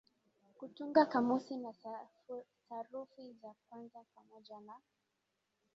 kutunga kamusi na sarufi za kwanza pamoja na